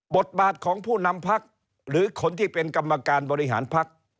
บทบาทของผู้นำพักหรือคนที่เป็นกรรมการบริหารพัก